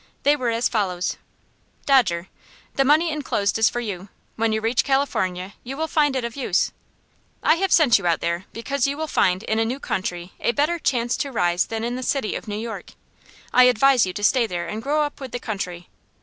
They were as follows: "Dodger: The money inclosed is for you. When you reach California you will find it of use. I have sent you out there because you will find in a new country a better chance to rise than in the city of New York. I advise you to stay there and grow up with the country.